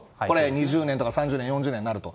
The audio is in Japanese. ２０年とか３０年、４０年になると。